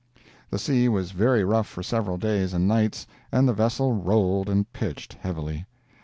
The sea was very rough for several days and nights, and the vessel rolled and pitched heavily.